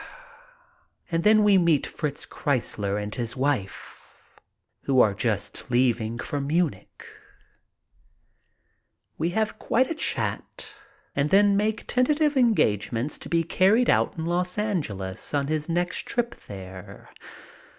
And then we meet Fritz Kreisler and his wife, who are just leaving for Munich. We have quite a chat and then make tentative engagements to be carried out in Los Angeles on his next trip there.